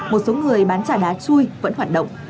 một số người bán trà đá chui vẫn hoạt động